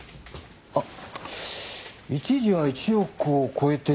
あっ一時は１億を超えていました。